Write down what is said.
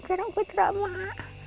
jangan berterak mak